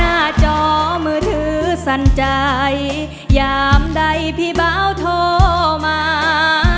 หน้าจอมือถือสั่นใจยามใดพี่เบาโทรมา